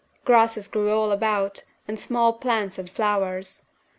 Grasses grew all about, and small plants and flowers.